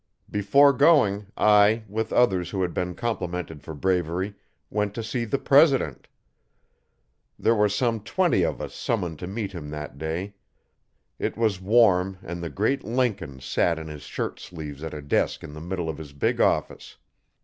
Before going I, with others who had been complimented for bravery, went to see the president. There were some twenty of us summoned to meet him that day. It was warm and the great Lincoln sat in his shirt sleeves at a desk in the middle of his big office.